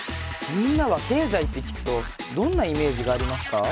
みんなは経済って聞くとどんなイメージがありますか？